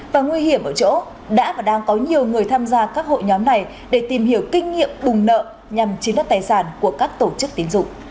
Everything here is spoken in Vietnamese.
và nguy hiểm ở chỗ đã và đang có nhiều người tham gia các hội nhóm này để tìm hiểu kinh nghiệm bùng nợ nhằm chiếm đất tài sản của các tổ chức tín dụng